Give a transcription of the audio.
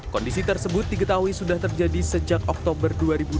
kondisi tersebut diketahui sudah terjadi sejak oktober dua ribu dua puluh